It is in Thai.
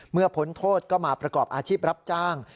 เมื่อผลโทษก็มาประกอบอาชีพรับจ้าง